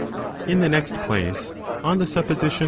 In the next place, on the supposition that 5.